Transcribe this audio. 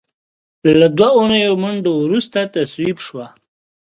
له دوو اونیو منډو وروسته تصویب شوه.